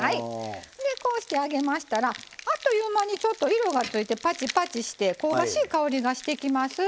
こうして揚げましたらあっという間に色がついてパチパチして香ばしい香りがしてきます。